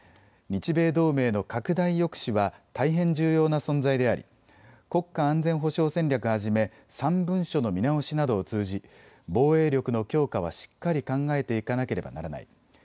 日米同盟の拡大抑止は大変重要な存在であり、国家安全保障戦略はじめ３文書の見直しなどを通じて、防衛力の強化はしっかり考えていかなければならない。